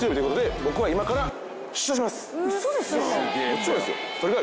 もちろんですよ。